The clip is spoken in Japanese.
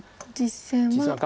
実戦は。